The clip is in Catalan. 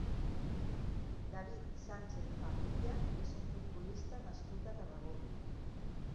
David Sánchez Parrilla és un futbolista nascut a Tarragona.